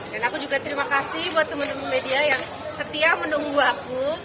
dan aku juga terima kasih buat teman teman media yang setia menunggu aku